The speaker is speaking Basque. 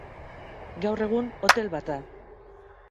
Gaur egun hotel bat da.